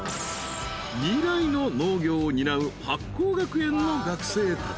［未来の農業を担う八紘学園の学生たち］